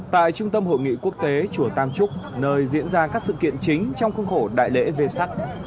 tại trung tâm hội nghị quốc tế chùa tam trúc nơi diễn ra các sự kiện chính trong khuôn khổ đại lễ về sắc